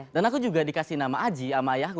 dan aku juga dikasih nama haji sama ayahku